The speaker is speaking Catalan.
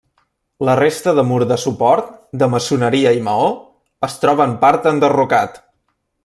La resta de mur de suport, de maçoneria i maó, es troba en part enderrocat.